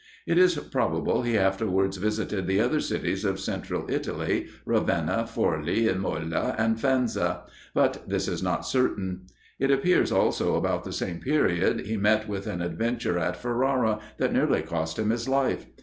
It is probable he afterwards visited the other cities of Central Italy, Ravenna, Forli, Imola, and Faenza; but this is not certain. It appears also about the same period he met with an adventure at Ferrara that nearly cost him his life.